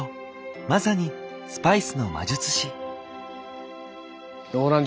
まさに「スパイスの魔術師」。